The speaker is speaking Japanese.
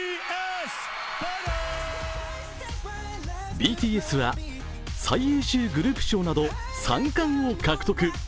ＢＴＳは、最優秀グループ賞など３冠を獲得。